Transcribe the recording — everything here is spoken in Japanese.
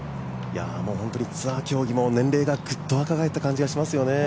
本当にツアー競技も年齢がぐっと若返った感じですね。